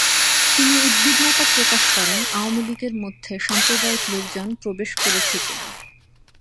তিনি উদ্বিগ্নতা প্রকাশ করেন আওয়ামী লীগের মধ্যে সাম্প্রদায়িক লোকজন প্রবেশ করেছে কিনা।